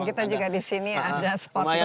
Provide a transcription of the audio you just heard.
dan kita juga di sini ada spotnya